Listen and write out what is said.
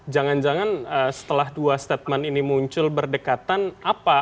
jangan jangan setelah dua statement ini muncul berdekatan apa